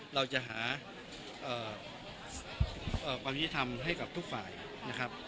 เราจะหาความยุติธรรมให้กับทุกฝ่ายนะครับ